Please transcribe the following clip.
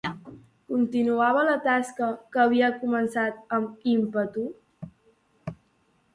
Continuava la tasca que havia començat amb ímpetu?